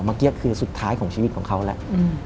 เมื่อกี้คือสุดท้ายของชีวิตของเขาแล้ว